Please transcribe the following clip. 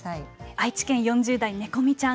愛知県４０代ねこみちゃん。